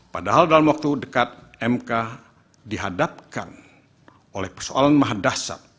padahal dalam waktu dekat mk dihadapkan oleh persoalan maha dasar